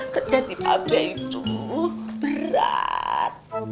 kerja di pabrik itu berat